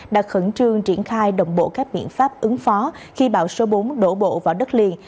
đã khẩn trương triển khai đồng bộ các biện pháp ứng phó khi bão số bốn đổ bộ vào đất liền